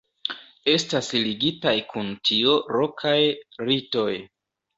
Estas ligitaj kun tio lokaj ritoj.